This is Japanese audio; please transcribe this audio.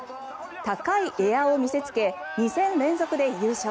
高いエアを見せつけ２戦連続で優勝。